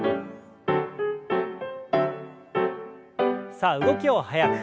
さあ動きを速く。